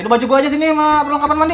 lo baju gua aja sini sama perlengkapan mandi